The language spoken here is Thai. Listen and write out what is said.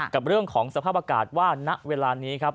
กับเรื่องของสภาพอากาศว่าณเวลานี้ครับ